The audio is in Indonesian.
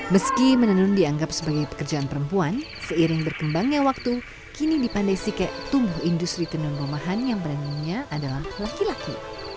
meski menenun dianggap sebagai pekerjaan perempuan seiring berkembangnya waktu kini di pandai sike tumbuh industri tenun rumahan yang beraninya adalah laki laki